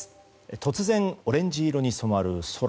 突然オレンジ色に染まる空。